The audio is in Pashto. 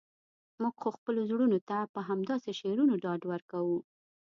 موږ خو خپلو زړونو ته په همداسې شعرونو ډاډ ورکوو.